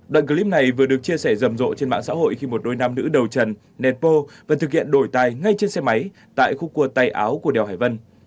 đoạn clip này vừa được chia sẻ rầm rộ trên mạng xã hội khi một đôi nam nữ đầu trần nền po vẫn thực hiện đổi tai ngay trên xe máy tại khu quà tay áo của đèo hải vân